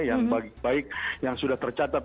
yang baik yang sudah tercatat